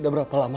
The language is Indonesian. belas ya aja